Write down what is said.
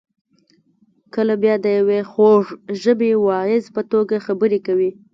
کله بیا د یوې خوږ ژبې واعظ په توګه خبرې کوي.